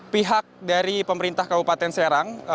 pihak dari pemerintah kabupaten serang